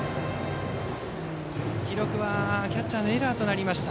記録はキャッチャーのエラーとなりました。